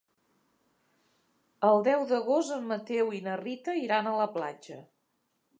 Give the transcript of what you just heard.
El deu d'agost en Mateu i na Rita iran a la platja.